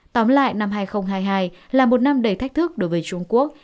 tóm lại năm hai nghìn hai mươi hai là một năm đầy thách thức đối với trung quốc